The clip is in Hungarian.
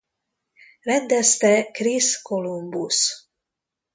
Rendezte Chris Columbus.